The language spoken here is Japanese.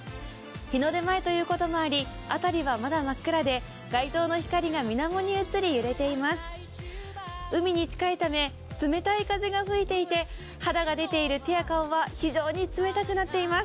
日の出前ということもあり辺りはまだ真っ暗で街灯の光がみなもにうつり、揺れています。